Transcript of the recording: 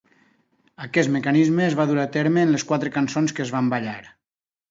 Aquest mecanisme es va dur a terme en les quatre cançons que es van ballar.